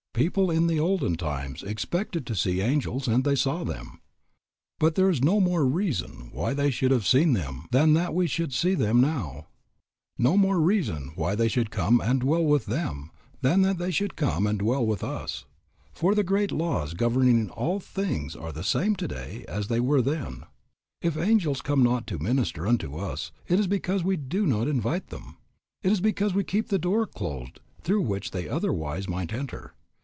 People in the olden times expected to see angels and they saw them; but there is no more reason why they should have seen them than that we should see them now; no more reason why they should come and dwell with them than that they should come and dwell with us, for the great laws governing all things are the same today as they were then. If angels come not to minister unto us it is because we do not invite them, it is because we keep the door closed through which they otherwise might enter.